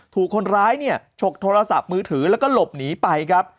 ถูกคนร้ายเนี่ยฉกโทรศัพท์มือถือแล้วก็หลบหนีไปครับ